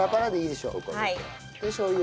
でしょう油。